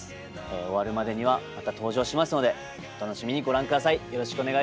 終わるまでにはまた登場しますのでお楽しみにご覧下さい。